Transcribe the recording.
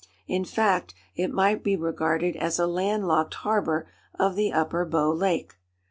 In fact, it might be regarded as a land locked harbor of the Upper Bow Lake.